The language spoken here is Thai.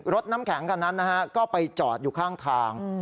รถน้ำแข็งคันนั้นนะฮะก็ไปจอดอยู่ข้างทาง